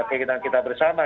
keinginan kita bersama